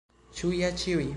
Ĉu ja ĉiuj?